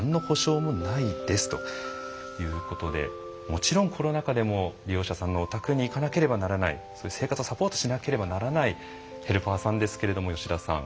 もちろんコロナ禍でも利用者さんのお宅に行かなければならない生活をサポートしなければならないヘルパーさんですけれども吉田さん